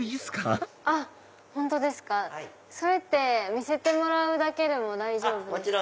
それって見せてもらうだけでも大丈夫ですか？